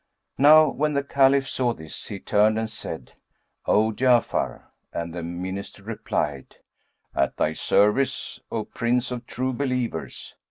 Now when the Caliph saw this, he turned and said, "O Ja'afar," and the Minister replied, "At thy service, O Prince of True Believers."